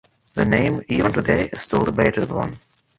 The name, even today, is still debated upon.